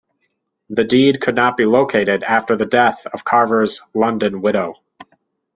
The deed could not be located after the death of Carver's London widow.